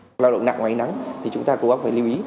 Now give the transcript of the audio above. nếu có lao động nặng ngoài nắng thì chúng ta cũng phải lưu ý